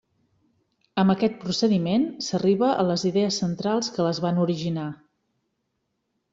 Amb aquest procediment, s'arriba a les idees centrals que les van originar.